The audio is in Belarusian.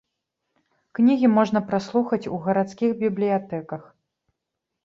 Кнігі можна праслухаць у гарадскіх бібліятэках.